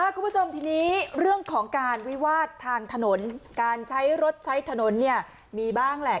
คุณผู้ชมทีนี้เรื่องของการวิวาสทางถนนการใช้รถใช้ถนนเนี่ยมีบ้างแหละ